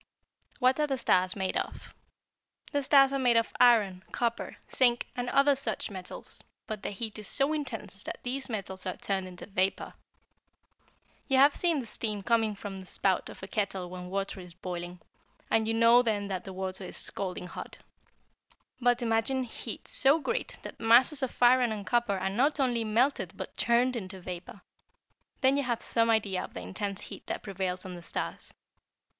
WHAT ARE THE STARS MADE OF? "The stars are made of iron, copper, zinc, and other such metals, but the heat is so intense that these metals are turned into vapor. You have seen the steam coming from the spout of a kettle when water is boiling, and you know then that the water is scalding hot. But imagine heat so great that masses of iron and copper are not only melted but turned into vapor. Then you have some idea of the intense heat that prevails on the stars.